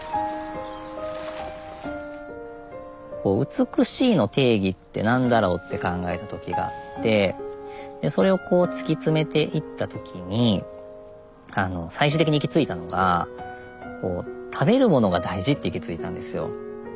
美しいの定義って何だろうって考えた時があってそれを突き詰めていった時に最終的に行き着いたのが食べるものが大事って行き着いたんですよ。